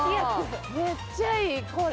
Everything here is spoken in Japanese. めっちゃいいこれ。